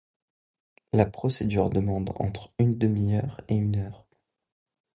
La procédure demande entre une demi-heure et une heure.